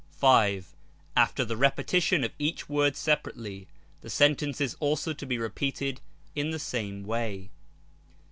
5. After the repetition of each word separately, the sentence is also to be repeated in the same way.